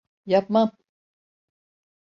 Yapmam.